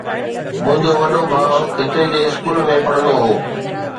منهنجو وڏو ڀاءُ هتي جي اسڪول ۾ پڙهندو هو.